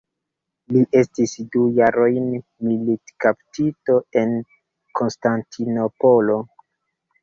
Li estis du jarojn militkaptito en Konstantinopolo.